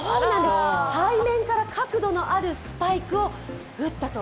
背面から角度のあるスパイクを打ったと。